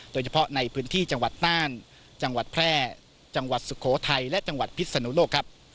โดยเฉพาะในพื้นที่จังหวัดน่านจังหวัดแพร่จังหวัดสุโขทัยและจังหวัดพิษนุโลกครับ